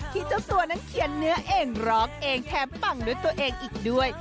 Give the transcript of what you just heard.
เจ้าตัวนั้นเขียนเนื้อเองร้องเองแถมปังด้วยตัวเองอีกด้วย